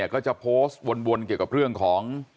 ก็จะโพสต์วนเกี่ยวกับเรื่องของ